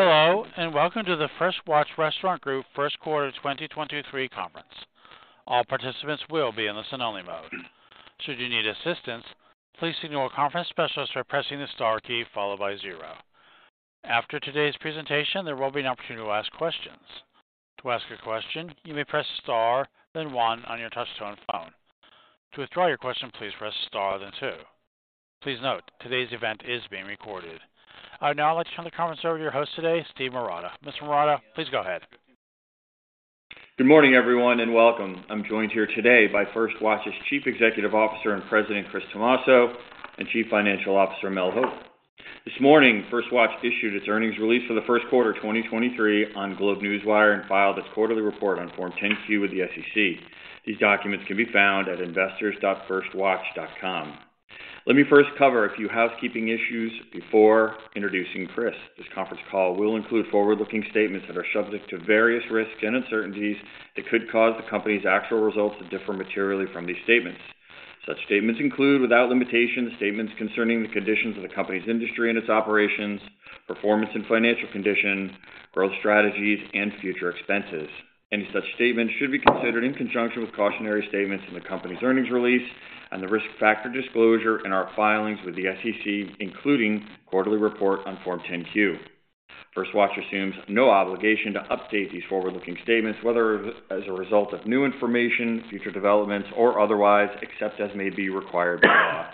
Hello, welcome to the First Watch Restaurant Group First Quarter 2023 conference. All participants will be in listen only mode. Should you need assistance, please signal a conference specialist by pressing the star key followed by zero. After today's presentation, there will be an opportunity to ask questions. To ask a question, you may press star then one on your touch-tone phone. To withdraw your question, please press star then two. Please note, today's event is being recorded. I would now like to turn the conference over to your host today, Steve Marotta. Mr. Marotta, please go ahead. Good morning, everyone, welcome. I'm joined here today by First Watch's Chief Executive Officer and President, Chris Tomasso, and Chief Financial Officer, Mel Hope. This morning, First Watch issued its earnings release for the first quarter of 2023 on GlobeNewswire and filed its quarterly report on Form 10Q with the SEC. These documents can be found at investors.firstwatch.com. Let me first cover a few housekeeping issues before introducing Chris. This conference call will include forward-looking statements that are subject to various risks and uncertainties that could cause the company's actual results to differ materially from these statements. Such statements include, without limitation, statements concerning the conditions of the company's industry and its operations, performance and financial condition, growth strategies, and future expenses. Any such statements should be considered in conjunction with cautionary statements in the company's earnings release and the risk factor disclosure in our filings with the SEC, including quarterly report on Form 10-Q. First Watch assumes no obligation to update these forward-looking statements, whether as a result of new information, future developments, or otherwise, except as may be required by law.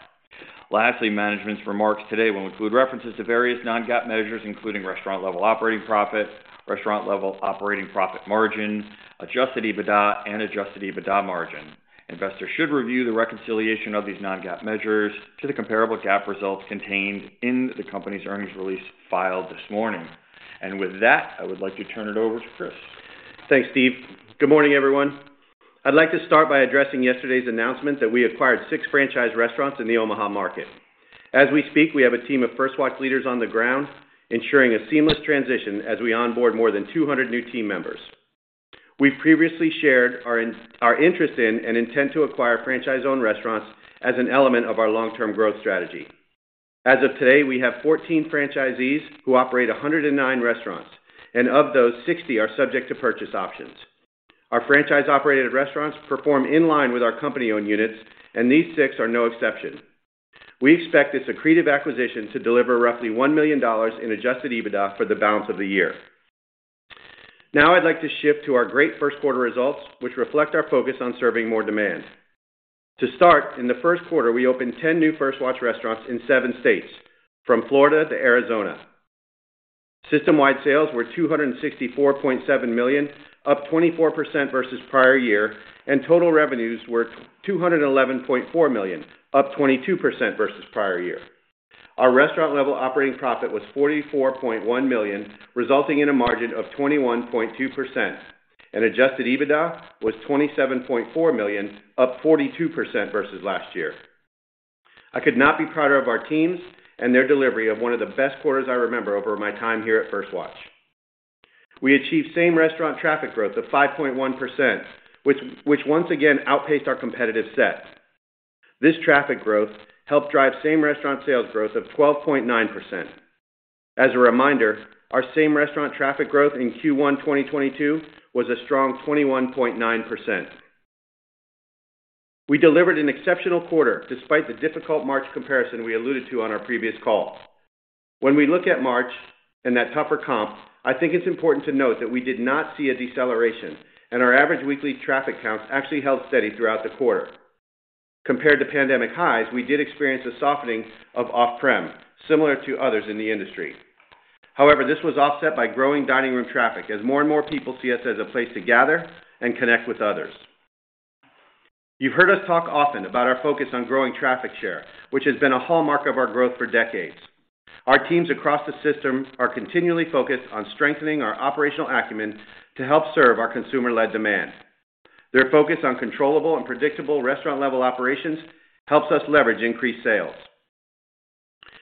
Lastly, management's remarks today will include references to various non-GAAP measures, including Restaurant level operating profit, Restaurant level operating profit margin, adjusted EBITDA, and Adjusted EBITDA margin. Investors should review the reconciliation of these non-GAAP measures to the comparable GAAP results contained in the company's earnings release filed this morning. With that, I would like to turn it over to Chris. Thanks, Steve. Good morning, everyone. I'd like to start by addressing yesterday's announcement that we acquired six franchise restaurants in the Omaha market. As we speak, we have a team of First Watch leaders on the ground ensuring a seamless transition as we onboard more than 200 new team members. We've previously shared our interest in and intent to acquire franchise-owned restaurants as an element of our long-term growth strategy. As of today, we have 14 franchisees who operate 109 restaurants, and of those, 60 are subject to purchase options. Our franchise-operated restaurants perform in line with our company-owned units, and these 6 are no exception. We expect this accretive acquisition to deliver roughly $1 million in adjusted EBITDA for the balance of the year. I'd like to shift to our great first quarter results, which reflect our focus on serving more demand. To start, in the first quarter, we opened 10 new First Watch restaurants in seven states, from Florida to Arizona. System-wide sales were $264.7 million, up 24% versus prior year. Total revenues were $211.4 million, up 22% versus prior year. Our Restaurant level operating profit was $44.1 million, resulting in a margin of 21.2%. Adjusted EBITDA was $27.4 million, up 42% versus last year. I could not be prouder of our teams and their delivery of one of the best quarters I remember over my time here at First Watch. We achieved same restaurant traffic growth of 5.1%, which once again outpaced our competitive set. This traffic growth helped drive same restaurant sales growth of 12.9%. As a reminder, our same restaurant traffic growth in Q1 2022 was a strong 21.9%. We delivered an exceptional quarter despite the difficult March comparison we alluded to on our previous call. When we look at March and that tougher comp, I think it's important to note that we did not see a deceleration, and our average weekly traffic counts actually held steady throughout the quarter. Compared to pandemic highs, we did experience a softening of off-prem, similar to others in the industry. However, this was offset by growing dining room traffic as more and more people see us as a place to gather and connect with others. You've heard us talk often about our focus on growing traffic share, which has been a hallmark of our growth for decades. Our teams across the system are continually focused on strengthening our operational acumen to help serve our consumer-led demand. Their focus on controllable and predictable restaurant-level operations helps us leverage increased sales.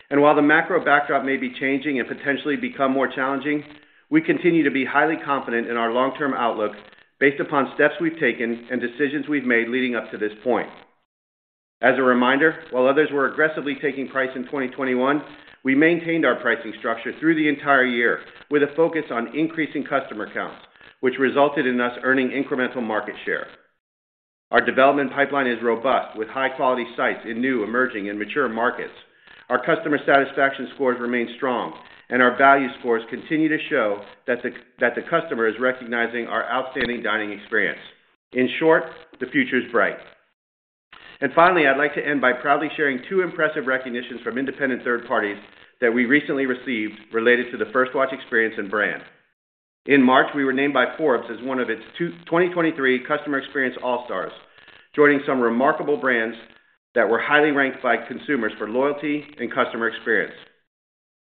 While the macro backdrop may be changing and potentially become more challenging, we continue to be highly confident in our long-term outlook based upon steps we've taken and decisions we've made leading up to this point. As a reminder, while others were aggressively taking price in 2021, we maintained our pricing structure through the entire year with a focus on increasing customer count, which resulted in us earning incremental market share. Our development pipeline is robust with high-quality sites in new, emerging, and mature markets. Our customer satisfaction scores remain strong, and our value scores continue to show that the customer is recognizing our outstanding dining experience. In short, the future is bright. Finally, I'd like to end by proudly sharing two impressive recognitions from independent third parties that we recently received related to the First Watch experience and brand. In March, we were named by Forbes as one of its 2023 Customer Experience All-Stars, joining some remarkable brands that were highly ranked by consumers for loyalty and customer experience.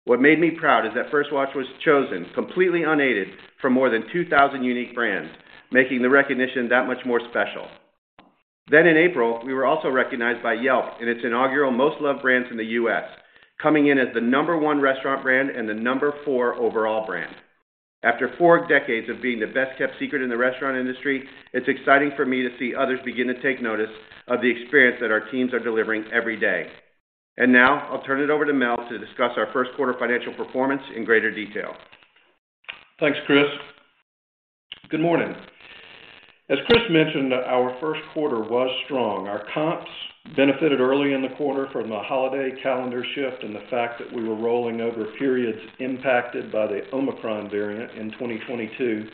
What made me proud is that First Watch was chosen completely unaided from more than 2,000 unique brands, making the recognition that much more special. In April, we were also recognized by Yelp in its inaugural Most Loved Brands in the U.S., coming in as the number one restaurant brand and the number four overall brand. After four decades of being the best-kept secret in the restaurant industry, it's exciting for me to see others begin to take notice of the experience that our teams are delivering every day. Now I'll turn it over to Mel to discuss our first quarter financial performance in greater detail. Thanks, Chris. Good morning. As Chris mentioned, our first quarter was strong. Our comps benefited early in the quarter from a holiday calendar shift and the fact that we were rolling over periods impacted by the Omicron variant in 2022.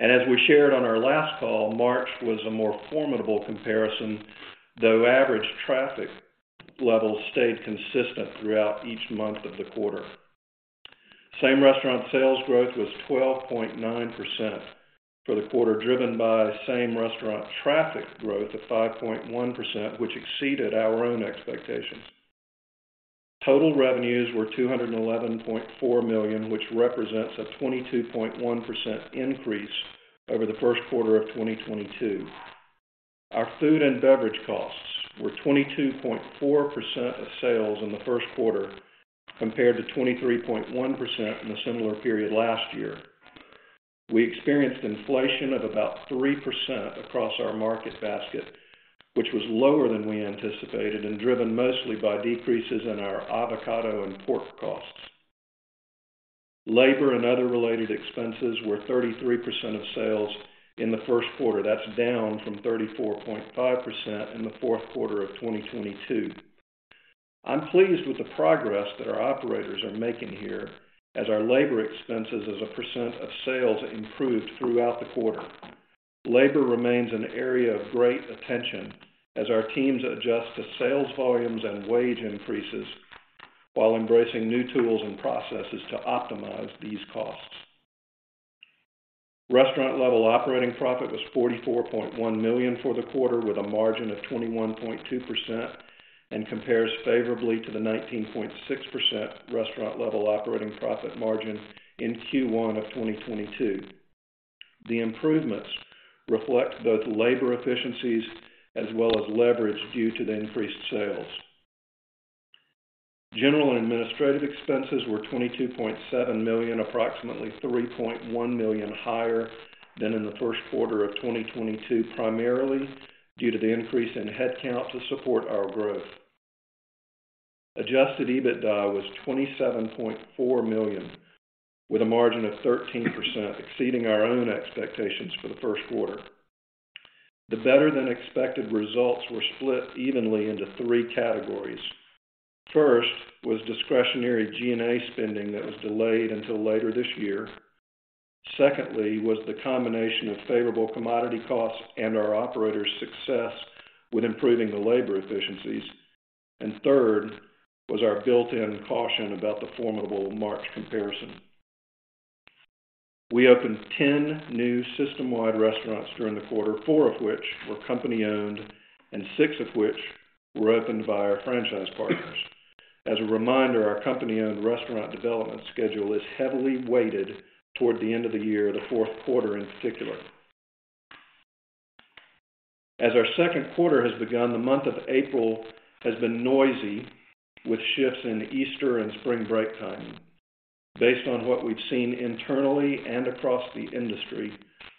As we shared on our last call, March was a more formidable comparison, though average traffic levels stayed consistent throughout each month of the quarter. Same-restaurant sales growth was 12.9% for the quarter, driven by same-restaurant traffic growth of 5.1%, which exceeded our own expectations. Total revenues were $211.4 million, which represents a 22.1% increase over the first quarter of 2022. Our food and beverage costs were 22.4% of sales in the first quarter compared to 23.1% in a similar period last year. We experienced inflation of about 3% across our market basket, which was lower than we anticipated and driven mostly by decreases in our avocado and pork costs. Labor and other related expenses were 33% of sales in the first quarter. That's down from 34.5% in the fourth quarter of 2022. I'm pleased with the progress that our operators are making here as our labor expenses as a percent of sales improved throughout the quarter. Labor remains an area of great attention as our teams adjust to sales volumes and wage increases while embracing new tools and processes to optimize these costs. Restaurant level operating profit was $44.1 million for the quarter with a margin of 21.2% and compares favorably to the 19.6% Restaurant level operating profit margin in Q1 of 2022. The improvements reflect both labor efficiencies as well as leverage due to the increased sales. General and administrative expenses were $22.7 million, approximately $3.1 million higher than in the first quarter of 2022, primarily due to the increase in headcount to support our growth. Adjusted EBITDA was $27.4 million, with a margin of 13%, exceeding our own expectations for the first quarter. The better-than-expected results were split evenly into three categories. First was discretionary G&A spending that was delayed until later this year. Secondly was the combination of favorable commodity costs and our operators' success with improving the labor efficiencies. Third was our built-in caution about the formidable March comparison. We opened 10 new system-wide restaurants during the quarter, four of which were company-owned and six of which were opened by our franchise partners. As a reminder, our company-owned restaurant development schedule is heavily weighted toward the end of the year, the fourth quarter in particular. As our second quarter has begun, the month of April has been noisy with shifts in Easter and spring break timing. Based on what we've seen internally and across the industry,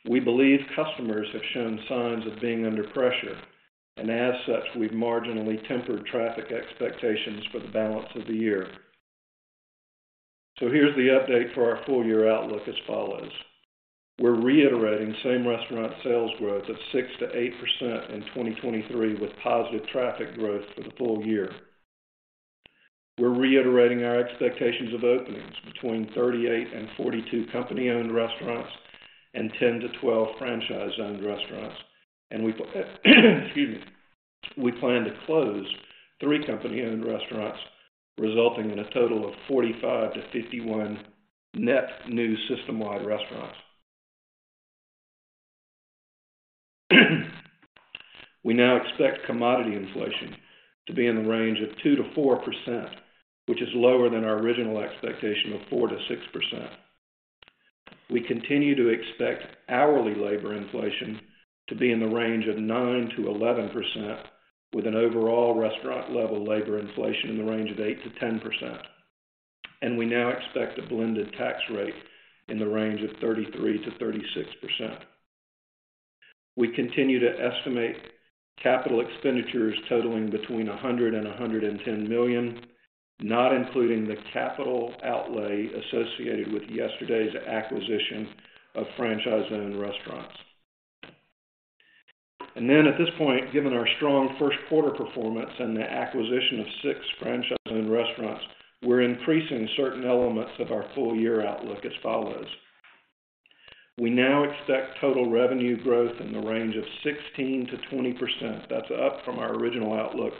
we believe customers have shown signs of being under pressure, and as such, we've marginally tempered traffic expectations for the balance of the year. Here's the update for our full-year outlook as follows. We're reiterating same-restaurant sales growth of 6%-8% in 2023 with positive traffic growth for the full year. We're reiterating our expectations of openings between 38 and 42 company-owned restaurants and 10-12 franchise-owned restaurants. Excuse me. We plan to close three company-owned restaurants, resulting in a total of 45-51 net new system-wide restaurants. We now expect commodity inflation to be in the range of 2%-4%, which is lower than our original expectation of 4%-6%. We continue to expect hourly labor inflation to be in the range of 9%-11%, with an overall restaurant-level labor inflation in the range of 8%-10%. We now expect a blended tax rate in the range of 33%-36%. We continue to estimate capital expenditures totaling between $100 million and $110 million, not including the capital outlay associated with yesterday's acquisition of franchise-owned restaurants. At this point, given our strong first quarter performance and the acquisition of 6 franchise-owned restaurants, we're increasing certain elements of our full-year outlook as follows. We now expect total revenue growth in the range of 16%-20%. That's up from our original outlook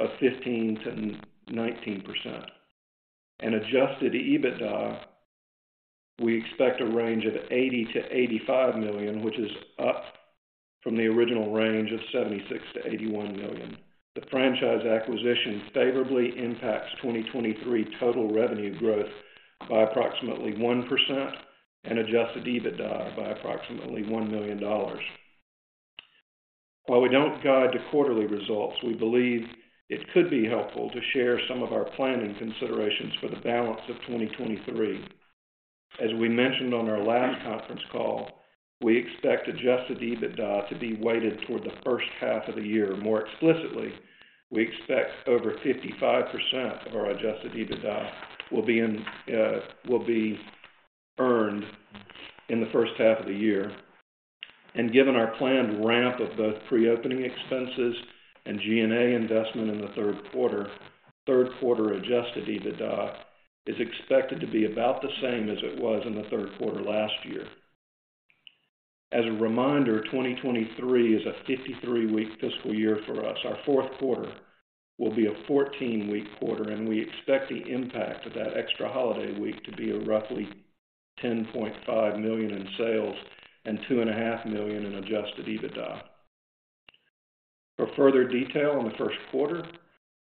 of 15%-19%. Adjusted EBITDA, we expect a range of $80 million-$85 million, which is up from the original range of $76 million-$81 million. The franchise acquisition favorably impacts 2023 total revenue growth by approximately 1% and Adjusted EBITDA by approximately $1 million. While we don't guide to quarterly results, we believe it could be helpful to share some of our planning considerations for the balance of 2023. As we mentioned on our last conference call, we expect Adjusted EBITDA to be weighted toward the first half of the year. More explicitly, we expect over 55% of our Adjusted EBITDA will be earned in the first half of the year. Given our planned ramp of both pre-opening expenses and G&A investment in the third quarter, third quarter adjusted EBITDA is expected to be about the same as it was in the third quarter last year. As a reminder, 2023 is a 53-week fiscal year for us. Our fourth quarter will be a 14-week quarter, and we expect the impact of that extra holiday week to be a roughly $10.5 million in sales and two and a half million in adjusted EBITDA. For further detail on the first quarter,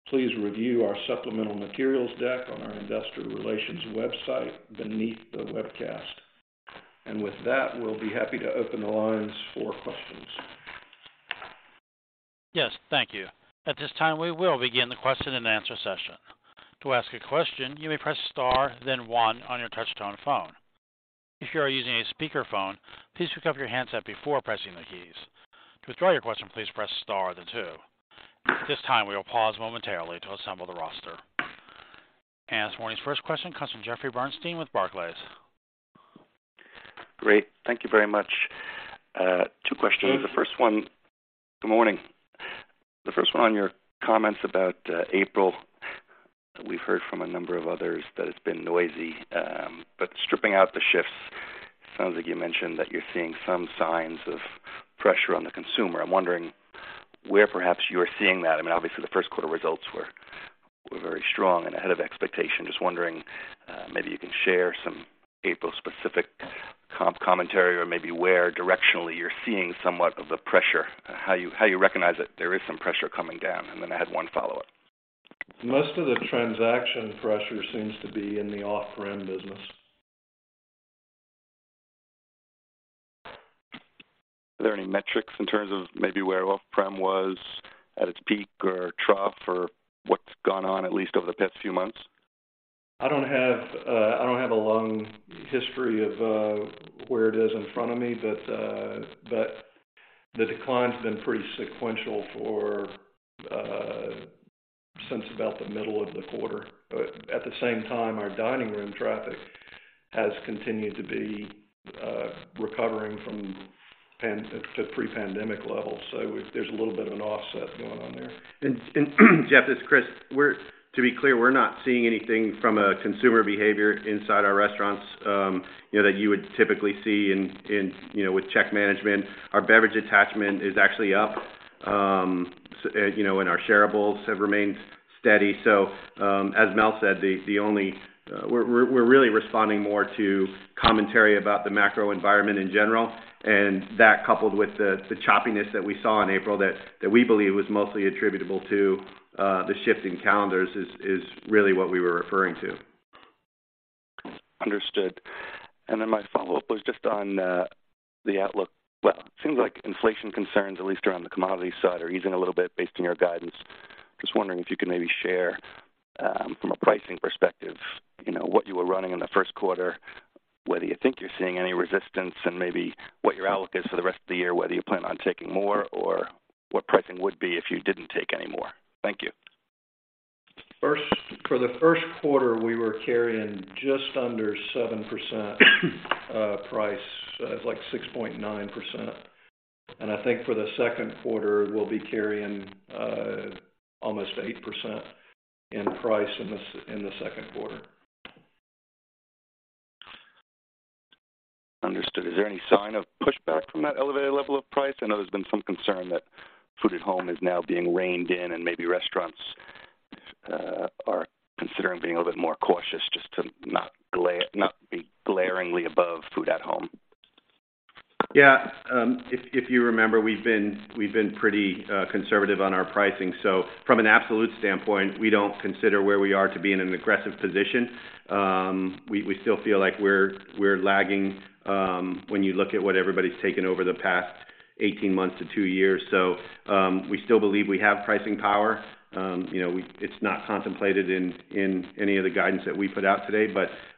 please review our supplemental materials deck on our investor relations website beneath the webcast. With that, we'll be happy to open the lines for questions. Yes. Thank you. At this time, we will begin the question-and-answer session. To ask a question, you may press star, then one on your touchtone phone. If you are using a speakerphone, please pick up your handset before pressing the keys. To withdraw your question, please press star then two. At this time, we will pause momentarily to assemble the roster. This morning's first question comes from Jeffrey Bernstein with Barclays. Great. Thank you very much. Two questions. The first one. Good morning. The first one on your comments about April. We've heard from a number of others that it's been noisy, but stripping out the shifts, sounds like you mentioned that you're seeing some signs of pressure on the consumer. I'm wondering where perhaps you are seeing that. I mean, obviously the first quarter results were very strong and ahead of expectation. Just wondering, maybe you can share some April specific commentary or maybe where directionally you're seeing somewhat of the pressure, how you recognize that there is some pressure coming down. I had one follow-up. Most of the transaction pressure seems to be in the off-prem business. Are there any metrics in terms of maybe where off-prem was at its peak or trough or what's gone on at least over the past few months? I don't have, I don't have a long history of where it is in front of me, but the decline's been pretty sequential for since about the middle of the quarter. At the same time, our dining room traffic has continued to be recovering to pre-pandemic levels. There's a little bit of an offset going on there. Jeff, it's Chris. To be clear, we're not seeing anything from a consumer behavior inside our restaurants, you know, that you would typically see in, you know, with check management. Our beverage attachment is actually up, you know, and our shareables have remained steady. As Mel said, we're really responding more to commentary about the macro environment in general, and that coupled with the choppiness that we saw in April that we believe was mostly attributable to the shifting calendars is really what we were referring to. Understood. My follow-up was just on the outlook. Well, it seems like inflation concerns, at least around the commodity side, are easing a little bit based on your guidance. Just wondering if you could maybe share, from a pricing perspective, you know, what you were running in the first quarter, whether you think you're seeing any resistance, and maybe what your outlook is for the rest of the year, whether you plan on taking more or what pricing would be if you didn't take any more? Thank you. For the first quarter, we were carrying just under 7% price. It's like 6.9%. I think for the second quarter, we'll be carrying almost 8% in price in the second quarter. Understood. Is there any sign of pushback from that elevated level of price? I know there's been some concern that food at home is now being reined in and maybe restaurants are considering being a little bit more cautious just to not be glaringly above food at home. Yeah. If you remember, we've been pretty conservative on our pricing. From an absolute standpoint, we don't consider where we are to be in an aggressive position. We still feel like we're lagging when you look at what everybody's taken over the past 18 months to two years. We still believe we have pricing power. You know, it's not contemplated in any of the guidance that we put out today.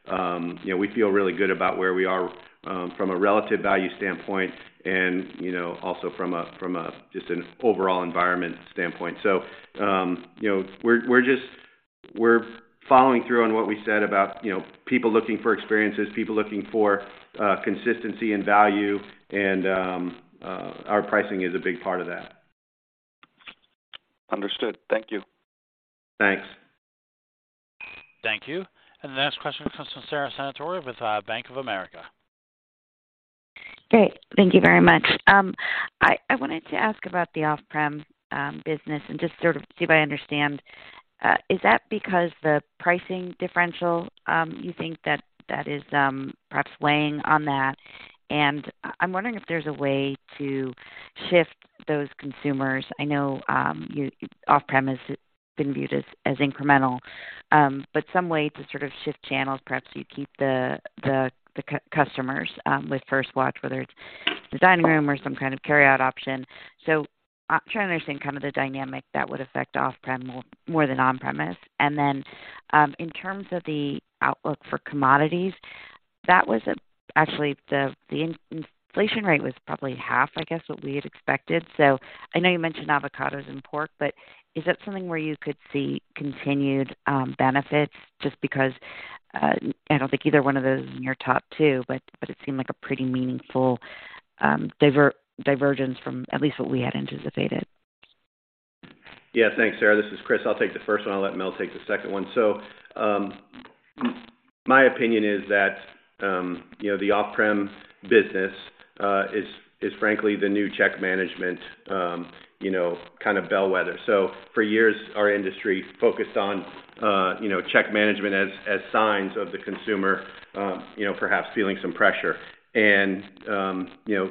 You know, we feel really good about where we are from a relative value standpoint and, you know, also from a just an overall environment standpoint. You know, We're following through on what we said about, you know, people looking for experiences, people looking for consistency and value, and our pricing is a big part of that. Understood. Thank you. Thanks. Thank you. The next question comes from Sara Senatore with Bank of America. Great. Thank you very much. I wanted to ask about the off-prem business and just sort of see if I understand. Is that because the pricing differential, you think that that is perhaps weighing on that? I'm wondering if there's a way to shift those consumers. I know off-prem has been viewed as incremental, but some way to sort of shift channels, perhaps you keep the customers with First Watch, whether it's the dining room or some kind of carry out option. I'm trying to understand kind of the dynamic that would affect off-prem more than on-premise. In terms of the outlook for commodities, that was actually the inflation rate was probably half, I guess, what we had expected. I know you mentioned avocados and pork, but is that something where you could see continued benefits just because I don't think either one of those is in your top two, but it seemed like a pretty meaningful divergence from at least what we had anticipated? Yeah. Thanks, Sara. This is Chris. I'll take the first one, I'll let Mel take the second one. My opinion is that, you know, the off-prem business is frankly the new check management, you know, kind of bellwether. For years, our industry focused on, you know, check management as signs of the consumer, you know, perhaps feeling some pressure. You know,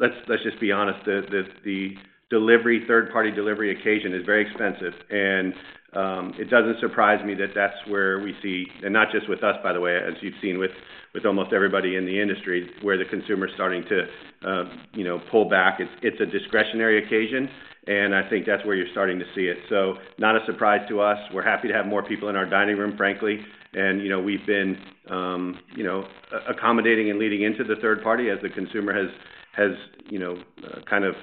let's just be honest. The delivery, third-party delivery occasion is very expensive, and it doesn't surprise me that that's where we see... Not just with us, by the way, as you've seen with almost everybody in the industry, where the consumer's starting to, you know, pull back. It's a discretionary occasion, and I think that's where you're starting to see it. Not a surprise to us. We're happy to have more people in our dining room, frankly. you know, we've been, you know, accommodating and leading into the third party as the consumer has, you know, kind of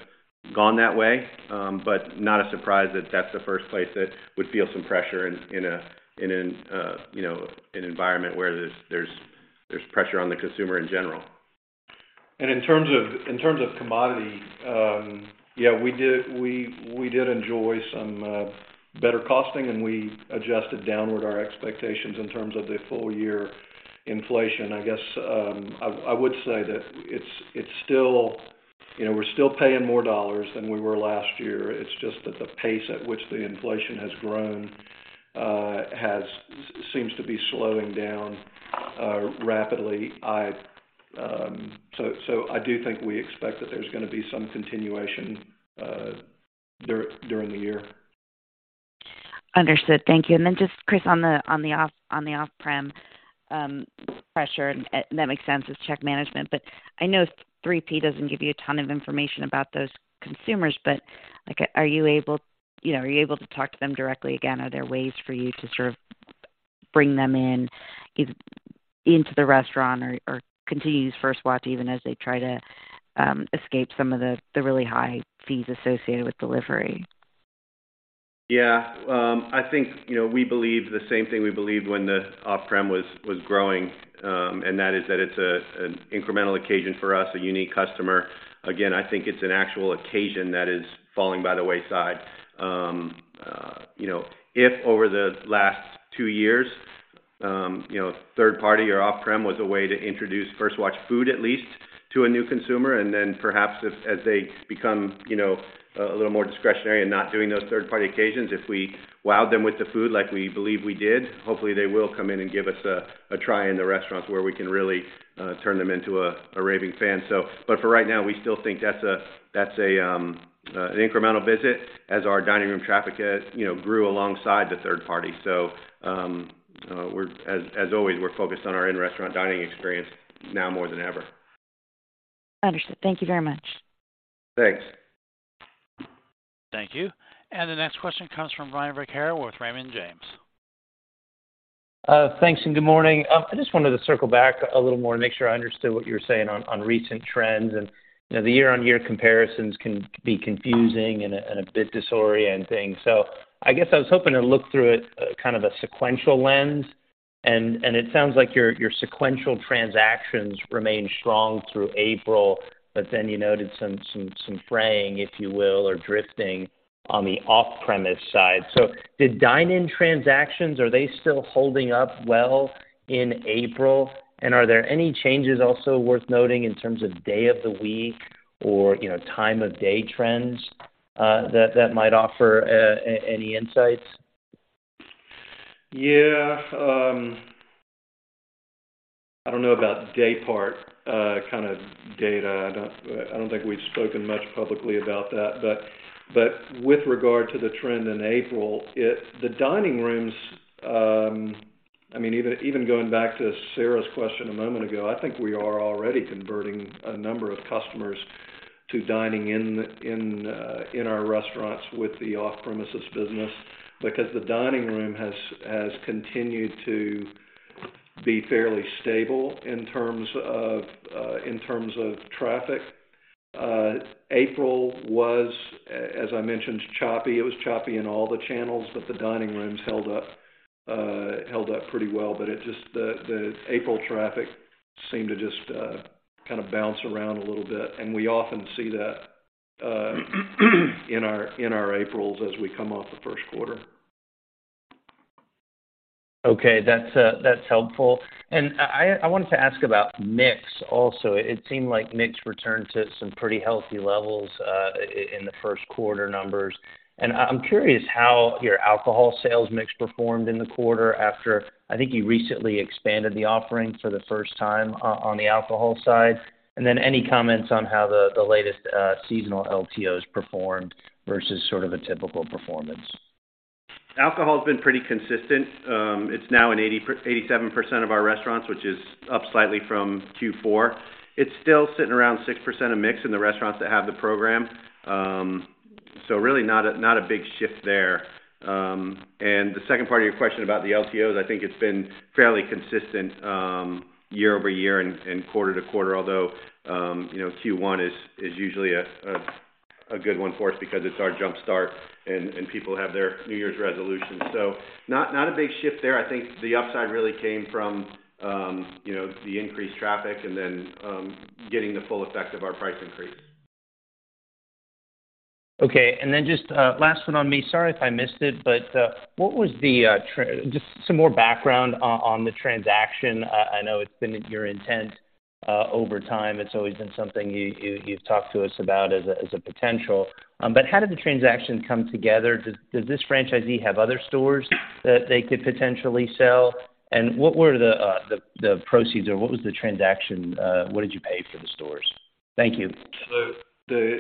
gone that way. not a surprise that that's the first place that would feel some pressure in an, you know, an environment where there's pressure on the consumer in general. In terms of commodities, yeah, we did enjoy some better costing, and we adjusted downward our expectations in terms of the full year inflation. I guess, I would say that it's still. You know, we're still paying more dollars than we were last year. It's just that the pace at which the inflation has grown, seems to be slowing down rapidly. I. I do think we expect that there's gonna be some continuation during the year. Understood. Thank you. Then just Chris, on the off-prem pressure, and that makes sense as check management, but I know 3P doesn't give you a ton of information about those consumers, but, like, are you able, you know, are you able to talk to them directly again? Are there ways for you to sort of bring them into the restaurant or continue to use First Watch even as they try to escape some of the really high fees associated with delivery? Yeah. I think, you know, we believe the same thing we believed when the off-prem was growing. That is that it's an incremental occasion for us, a unique customer. Again, I think it's an actual occasion that is falling by the wayside. You know, if over the last two years, you know, third party or off-prem was a way to introduce First Watch food at least to a new consumer, then perhaps as they become, you know, a little more discretionary and not doing those third party occasions, if we wowed them with the food like we believe we did, hopefully they will come in and give us a try in the restaurants where we can really turn them into a raving fan. For right now, we still think that's an incremental visit as our dining room traffic has, you know, grew alongside the third party. As always, we're focused on our in-restaurant dining experience now more than ever. Understood. Thank you very much. Thanks. Thank you. The next question comes from Brian Vaccaro with Raymond James. Thanks, and good morning. I just wanted to circle back a little more and make sure I understood what you were saying on recent trends. You know, the year-on-year comparisons can be confusing and a bit disorienting. I guess I was hoping to look through it, kind of a sequential lens, and it sounds like your sequential transactions remained strong through April, but then you noted some fraying, if you will, or drifting on the off-premise side. Did dine-in transactions, are they still holding up well in April? Are there any changes also worth noting in terms of day of the week or, you know, time of day trends that might offer any insights? Yeah. I don't know about day part, kind of data. I don't think we've spoken much publicly about that. With regard to the trend in April, the dining rooms, I mean, even going back to Sara's question a moment ago, I think we are already converting a number of customers to dining in our restaurants with the off-premises business because the dining room has continued to be fairly stable in terms of traffic. April was, as I mentioned, choppy. It was choppy in all the channels, but the dining rooms held up pretty well. The April traffic seemed to just kind of bounce around a little bit, and we often see that in our Aprils as we come off the first quarter. Okay. That's helpful. I wanted to ask about mix also. It seemed like mix returned to some pretty healthy levels in the first quarter numbers. I'm curious how your alcohol sales mix performed in the quarter after, I think you recently expanded the offering for the first time on the alcohol side. Any comments on how the latest seasonal LTOs performed versus sort of a typical performance. Alcohol has been pretty consistent. It's now in 87% of our restaurants, which is up slightly from Q4. It's still sitting around 6% of mix in the restaurants that have the program. Really not a big shift there. The second part of your question about the LTOs, I think it's been fairly consistent year-over-year and quarter to quarter, although, you know, Q1 is usually a good one for us because it's our jumpstart and people have their New Year's resolutions. Not a big shift there. I think the upside really came from, you know, the increased traffic and then getting the full effect of our price increase. Okay. Just last one on me. Sorry if I missed it, but just some more background on the transaction. I know it's been your intent over time. It's always been something you've talked to us about as a potential. How did the transaction come together? Does this franchisee have other stores that they could potentially sell? What were the proceeds or what was the transaction? What did you pay for the stores? Thank you. The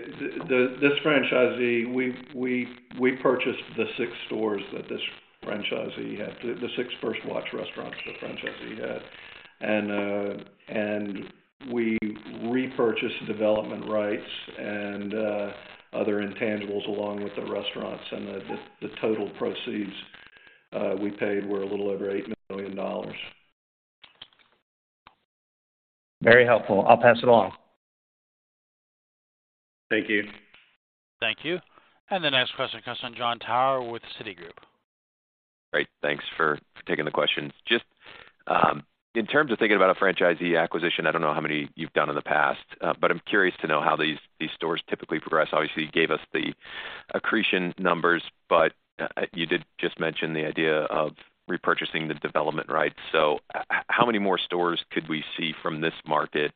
this franchisee, we purchased the six stores that this franchisee had. The six First Watch restaurants the franchisee had. We repurchased the development rights and other intangibles along with the restaurants. The total proceeds we paid were a little over $8 million. Very helpful. I'll pass it along. Thank you. Thank you. The next question comes from Jon Tower with Citigroup. Great. Thanks for taking the question. Just in terms of thinking about a franchisee acquisition, I don't know how many you've done in the past, I'm curious to know how these stores typically progress. Obviously, you gave us the accretion numbers, you did just mention the idea of repurchasing the development rights. How many more stores could we see from this market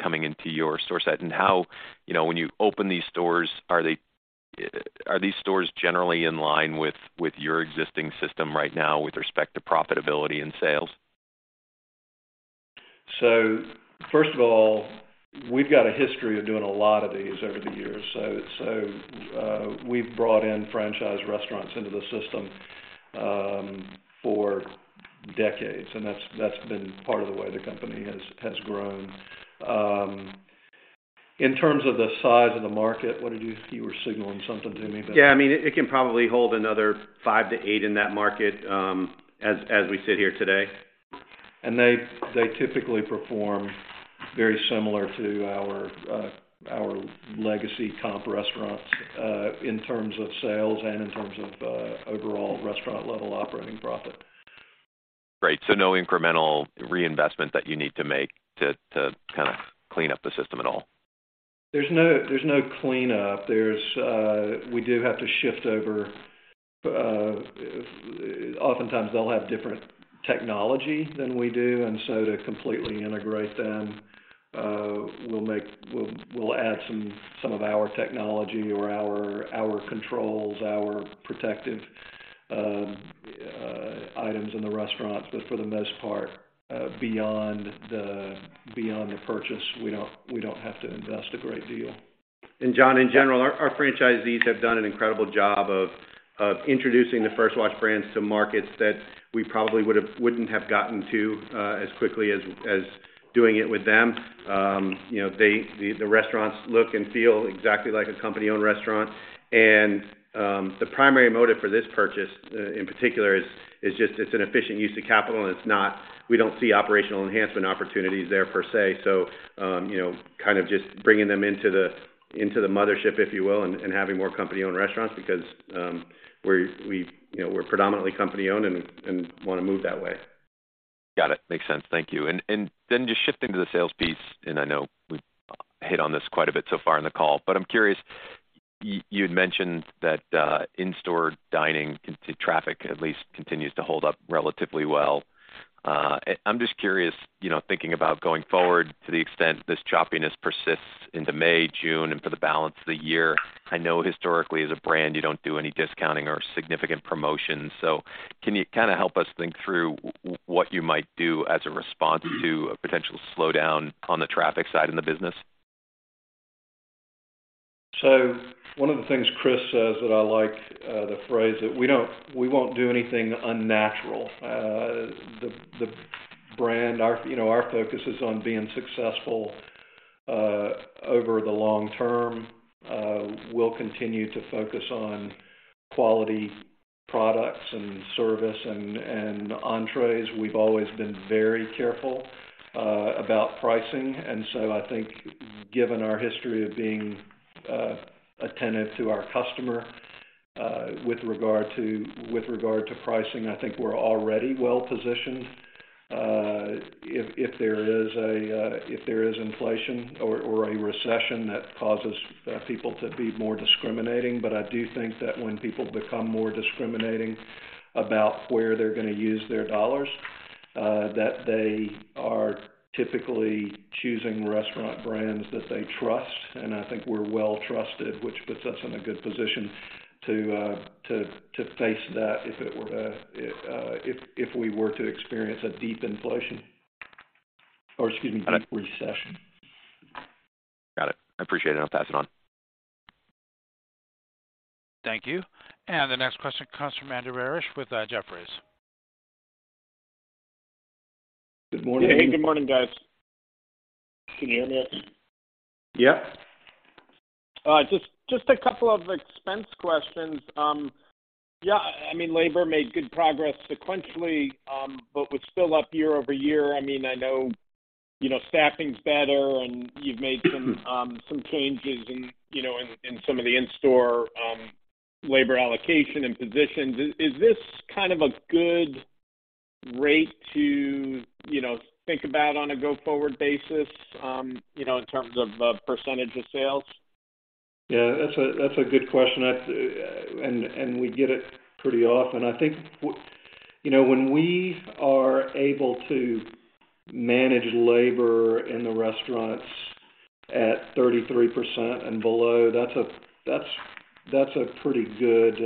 coming into your store set? How, you know, when you open these stores, are these stores generally in line with your existing system right now with respect to profitability and sales? First of all, we've got a history of doing a lot of these over the years. We've brought in franchise restaurants into the system for decades, and that's been part of the way the company has grown. In terms of the size of the market, you were signaling something to me but. Yeah, I mean, it can probably hold another five-eight in that market, as we sit here today. They typically perform very similar to our legacy comp restaurants, in terms of sales and in terms of overall Restaurant level operating profit. Great. No incremental reinvestment that you need to make to kind of clean up the system at all? There's no cleanup. We do have to shift over. Oftentimes they'll have different technology than we do. To completely integrate them, we'll add some of our technology or our controls, our protective items in the restaurants. For the most part, beyond the purchase, we don't have to invest a great deal. Jon, in general, our franchisees have done an incredible job of introducing the First Watch brands to markets that we probably wouldn't have gotten to as quickly as doing it with them. You know, the restaurants look and feel exactly like a company-owned restaurant. The primary motive for this purchase in particular is just it's an efficient use of capital, and we don't see operational enhancement opportunities there per se. You know, kind of just bringing them into the mothership, if you will, and having more company-owned restaurants because we, you know, we're predominantly company-owned and wanna move that way. Got it. Makes sense. Thank you. Just shifting to the sales piece, and I know we've hit on this quite a bit so far in the call, but I'm curious, you had mentioned that in-store dining traffic at least continues to hold up relatively well. I'm just curious, you know, thinking about going forward to the extent this choppiness persists into May, June and for the balance of the year. I know historically as a brand you don't do any discounting or significant promotions. Can you kinda help us think through what you might do as a response to a potential slowdown on the traffic side in the business? One of the things Chris says that I like, the phrase that we won't do anything unnatural. The brand, our, you know, our focus is on being successful over the long term. We'll continue to focus on quality products and service and entrees. We've always been very careful about pricing. I think given our history of being attentive to our customer with regard to pricing, I think we're already well positioned if there is a if there is inflation or a recession that causes people to be more discriminating. I do think that when people become more discriminating about where they're gonna use their dollars, that they are typically choosing restaurant brands that they trust, and I think we're well trusted, which puts us in a good position to face that if it were to experience a deep inflation or, excuse me, deep recession. Got it. I appreciate it. I'll pass it on. Thank you. The next question comes from Andy Barish from Jefferies Good morning. Hey, good morning, guys. Can you hear me? Yeah. Just a couple of expense questions. Yeah, I mean, labor made good progress sequentially, but was still up year-over-year. I mean, I know, you know, staffing's better, and you've made some changes in, you know, in some of the in-store, labor allocation and positions. Is this kind of a good rate to, you know, think about on a go-forward basis, you know, in terms of percentage of sales? That's a good question. We get it pretty often. I think you know, when we are able to manage labor in the restaurants at 33% and below, that's a, that's a pretty good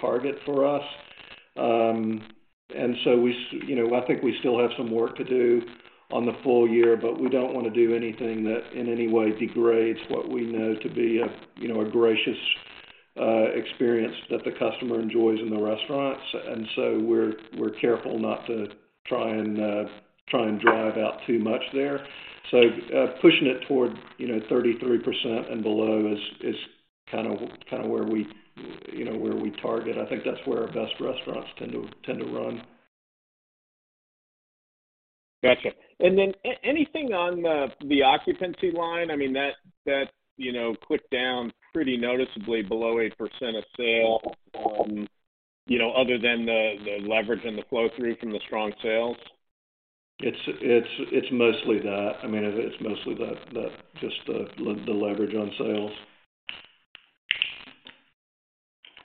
target for us. You know, I think we still have some work to do on the full year, but we don't wanna do anything that in any way degrades what we know to be a, you know, a gracious experience that the customer enjoys in the restaurants. We're careful not to try and drive out too much there. Pushing it toward, you know, 33% and below is kind of where we, you know, where we target. I think that's where our best restaurants tend to run. Gotcha. Anything on the occupancy line? I mean, that, you know, clicked down pretty noticeably below 8% of sale, you know, other than the leverage and the flow through from the strong sales. It's mostly that. I mean, it's mostly that, just the leverage on sales.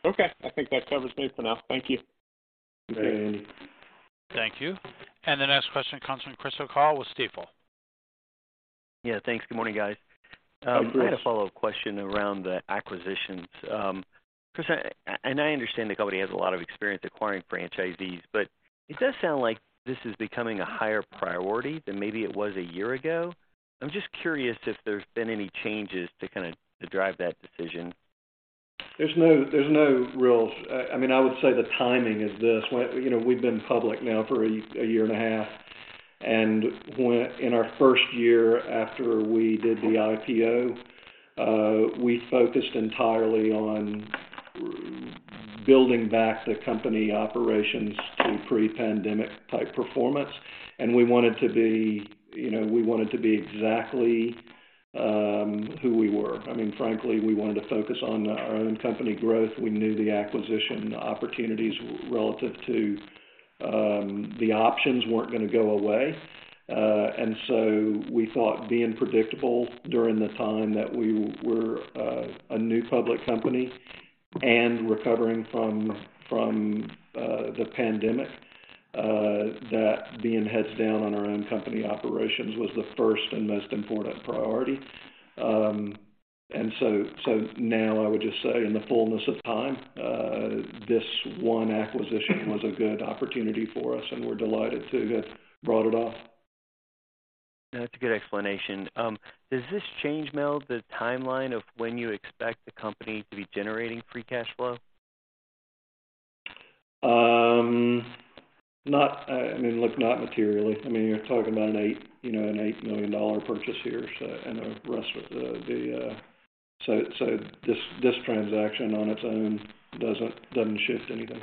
Okay. I think that covers me for now. Thank you. Okay. Thank you. The next question comes from Chris O'Cull with Stifel. Yeah, thanks. Good morning, guys. Hi, Chris. I had a follow-up question around the acquisitions. Chris, I understand the company has a lot of experience acquiring franchisees, but it does sound like this is becoming a higher priority than maybe it was a year ago. I'm just curious if there's been any changes to drive that decision. There's no real. I mean, I would say the timing is this. you know, we've been public now for a year and a half, in our first year after we did the IPO, we focused entirely on building back the company operations to pre-pandemic type performance. we wanted to be, you know, we wanted to be exactly who we were. I mean, frankly, we wanted to focus on our own company growth. We knew the acquisition opportunities relative to the options weren't gonna go away. we thought being predictable during the time that we were a new public company and recovering from the pandemic, that being heads down on our own company operations was the first and most important priority. Now I would just say in the fullness of time, this one acquisition was a good opportunity for us, and we're delighted to have brought it off. That's a good explanation. Does this change now the timeline of when you expect the company to be generating free cash flow? Not, I mean, look, not materially. I mean, you're talking about an $8 million purchase here. The rest of the... This transaction on its own doesn't shift anything.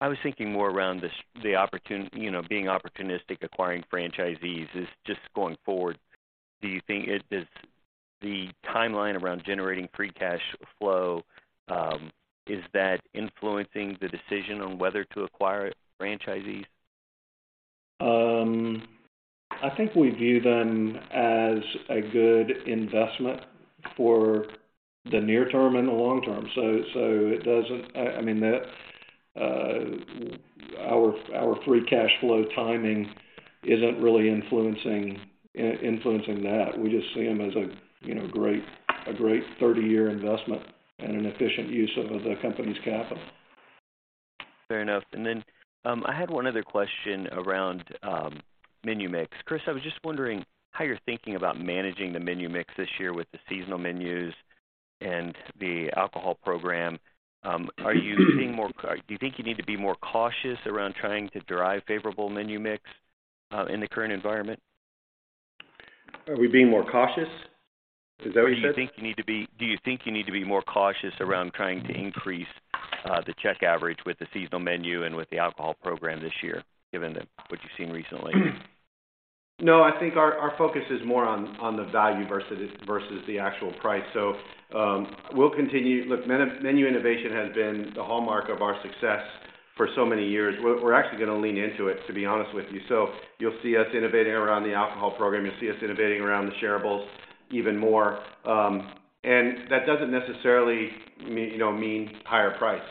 I was thinking more around you know, being opportunistic, acquiring franchisees. Is just going forward, do you think it is the timeline around generating free cash flow, is that influencing the decision on whether to acquire franchisees? I think we view them as a good investment for the near term and the long term. It doesn't. I mean, that our free cash flow timing isn't really influencing that. We just see them as a, you know, great 30-year investment and an efficient use of the company's capital. Fair enough. I had one other question around menu mix. Chris, I was just wondering how you're thinking about managing the menu mix this year with the seasonal menus and the alcohol program. Are you being more cautious around trying to derive favorable menu mix in the current environment? Are we being more cautious? Is that what you said? Do you think you need to be more cautious around trying to increase the check average with the seasonal menu and with the alcohol program this year, given what you've seen recently? No, I think our focus is more on the value versus the actual price. We'll continue. Look, menu innovation has been the hallmark of our success for so many years. We're actually gonna lean into it, to be honest with you. You'll see us innovating around the alcohol program. You'll see us innovating around the shareables even more. That doesn't necessarily mean, you know, higher price.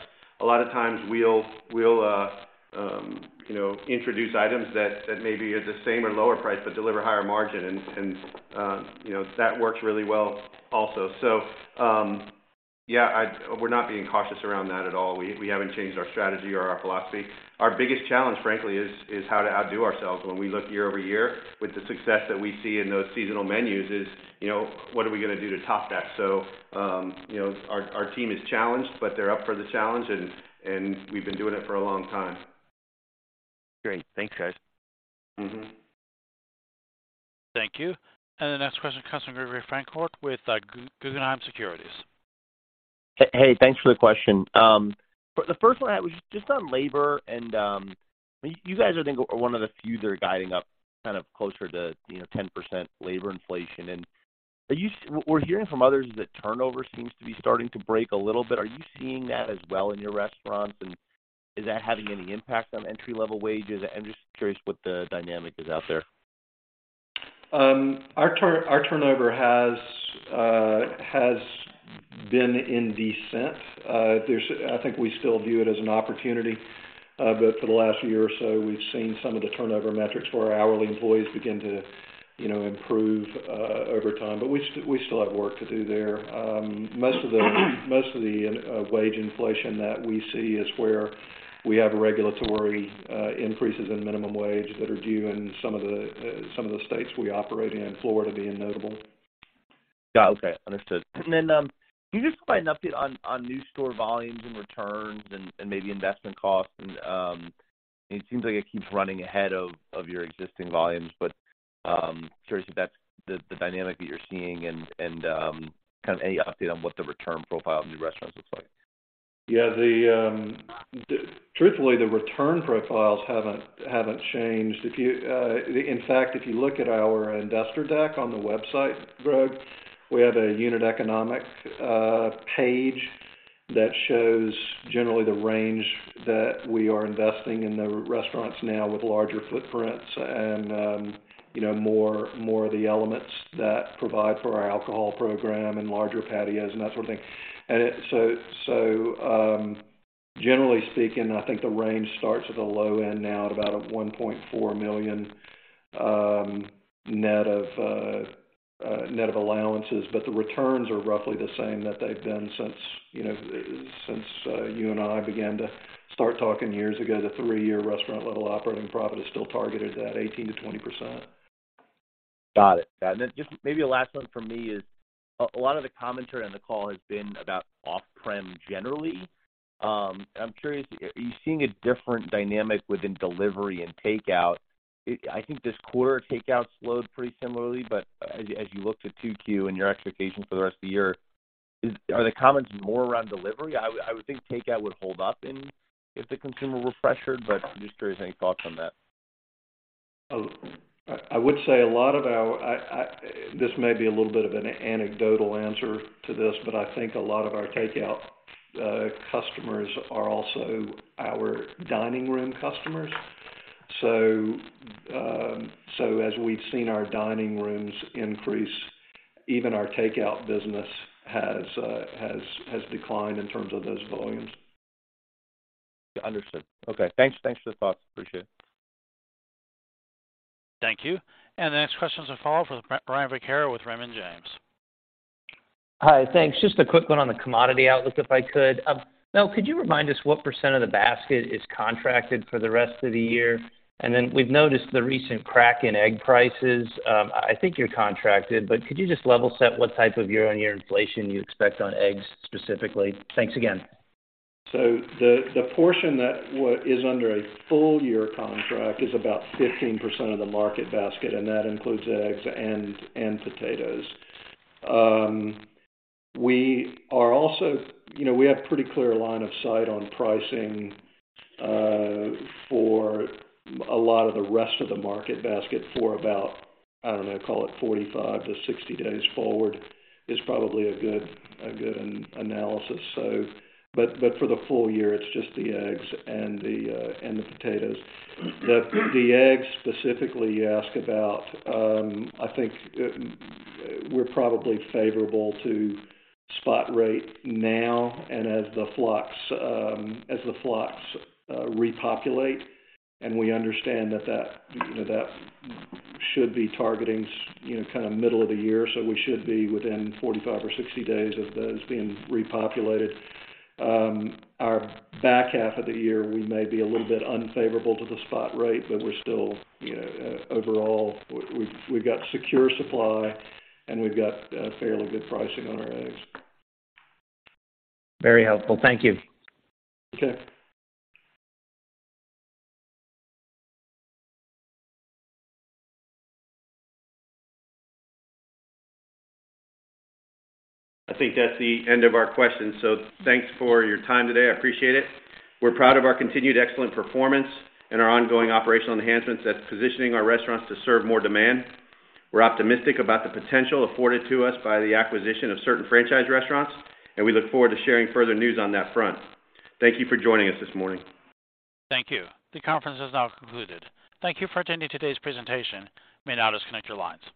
A lot of times we'll, you know, introduce items that maybe are the same or lower price but deliver higher margin and, you know, that works really well also. We're not being cautious around that at all. We haven't changed our strategy or our philosophy. Our biggest challenge, frankly, is how to outdo ourselves when we look year-over-year with the success that we see in those seasonal menus is, you know, what are we gonna do to top that? You know, our team is challenged, but they're up for the challenge and we've been doing it for a long time. Great. Thanks, guys. Mm-hmm. Thank you. The next question comes from Gregory Francfort with Guggenheim Securities. Hey, thanks for the question. For the first one I had was just on labor and, you guys are, I think, one of the few that are guiding up kind of closer to, you know, 10% labor inflation. We're hearing from others that turnover seems to be starting to break a little bit. Are you seeing that as well in your restaurants, and is that having any impact on entry-level wages? I'm just curious what the dynamic is out there. Our turnover has been in descent. I think we still view it as an opportunity. For the last year or so, we've seen some of the turnover metrics for our hourly employees begin to, you know, improve over time, but we still have work to do there. Most of the wage inflation that we see is where we have regulatory increases in minimum wage that are due in some of the states we operate in, Florida being notable. Got it. Okay, understood. Then, can you just provide an update on new store volumes and returns and maybe investment costs? It seems like it keeps running ahead of your existing volumes, but curious if that's the dynamic that you're seeing and kind of any update on what the return profile of new restaurants looks like? Truthfully, the return profiles haven't changed. If you In fact, if you look at our investor deck on the website, Greg, we have a unit economic page that shows generally the range that we are investing in the restaurants now with larger footprints and, you know, more of the elements that provide for our alcohol program and larger patios and that sort of thing. Generally speaking, I think the range starts at the low end now at about a $1.4 million net of net of allowances, but the returns are roughly the same that they've been since, you know, since you and I began to start talking years ago. The three-year Restaurant level operating profit is still targeted at 18%-20%. Got it. Just maybe a last one from me is a lot of the commentary on the call has been about off-prem generally. I'm curious, are you seeing a different dynamic within delivery and takeout? I think this quarter takeout slowed pretty similarly, but as you look to 2Q and your expectations for the rest of the year, are the comments more around delivery? I would think takeout would hold up in if the consumer were pressured, but just curious any thoughts on that. I would say a lot of our... this may be a little bit of an anecdotal answer to this. I think a lot of our takeout customers are also our dining room customers. As we've seen our dining rooms increase, even our takeout business has declined in terms of those volumes. Understood. Okay. Thanks. Thanks for the thoughts. Appreciate it. Thank you. The next question is for Brian Vaccaro with Raymond James. Hi. Thanks. Just a quick one on the commodity outlook, if I could. Mel, could you remind us what % of the basket is contracted for the rest of the year? We've noticed the recent crack in egg prices. I think you're contracted, but could you just level set what type of year-over-year inflation you expect on eggs specifically? Thanks again. The portion that is under a full year contract is about 15% of the market basket, and that includes eggs and potatoes. We are also. You know, we have pretty clear line of sight on pricing for a lot of the rest of the market basket for about, I don't know, call it 45-60 days forward is probably a good analysis. For the full year, it's just the eggs and the potatoes. The eggs specifically you ask about, I think we're probably favorable to spot rate now and as the flocks, as the flocks repopulate. We understand that, you know, that should be targeting, you know, kind of middle of the year, so we should be within 45 or 60 days of those being repopulated. Our back half of the year, we may be a little bit unfavorable to the spot rate, but we're still, you know, overall, we've got secure supply, and we've got fairly good pricing on our eggs. Very helpful. Thank you. Okay. I think that's the end of our questions. Thanks for your time today. I appreciate it. We're proud of our continued excellent performance and our ongoing operational enhancements that's positioning our restaurants to serve more demand. We're optimistic about the potential afforded to us by the acquisition of certain franchise restaurants, and we look forward to sharing further news on that front. Thank you for joining us this morning. Thank you. The conference has now concluded. Thank you for attending today's presentation. You may now disconnect your lines.